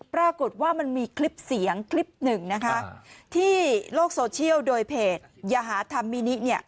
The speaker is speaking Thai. ปรากฏว่ามันมีคลิปเสียงคลิปหนึ่งนะคะที่โลกโซเชียลโดยเพจยาหาธรรมมินิเนี่ย